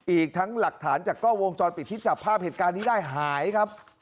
อีกทั้งหลักฐานจากกล้องวงจรปิดที่จับภาพเหตุการณ์นี้ได้หายครับ